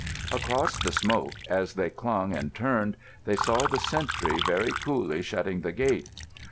Across the smoke, as they clung and turned, they saw the sentry very coolly shutting the gate.